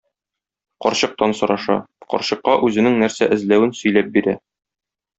Карчыктан сораша, карчыкка үзенең нәрсә эзләвен сөйләп бирә.